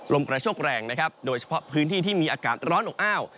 กระโชคแรงนะครับโดยเฉพาะพื้นที่ที่มีอากาศร้อนอบอ้าว